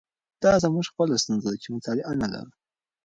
دا زموږ خپله ستونزه ده چې مطالعه نه لرو.